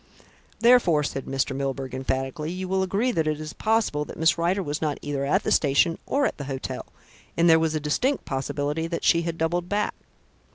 Therefore," said Mr. Milburgh emphatically, "you will agree that it is possible that Miss Rider was not either at the station or at the hotel, and there was a distinct possibility that she had doubled back."